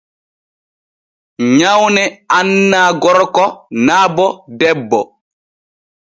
Nyawne annaa gorko naa bo debbo.